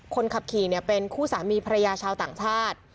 คนขับขี่เป็นคู่สามีภรรยาชาวต่างชาติ